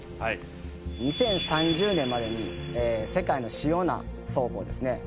２０３０年までに世界の主要な倉庫をですね